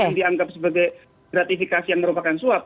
yang dianggap sebagai gratifikasi yang merupakan suap